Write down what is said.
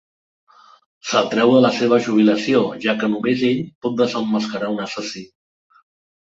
Se'l treu de la seva jubilació, ja que només ell pot desemmascarar un assassí.